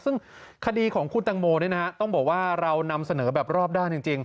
ซึ่งคดีของคุณตังโมต้องบอกว่าเรานำเสนอแบบรอบด้านจริง